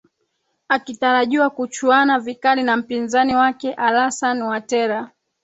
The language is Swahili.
akitarajiwa kuchuana vikali na mpinzani wake alasan watera